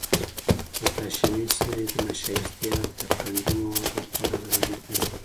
پوتاشیمي سرې د نشایستې او قندي موادو لپاره ضروري دي.